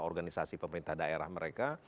organisasi pemerintah daerah mereka